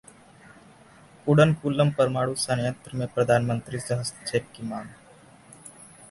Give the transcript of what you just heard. कुडनकुलम परमाणु संयंत्र में प्रधानमंत्री से हस्तक्षेप की मांग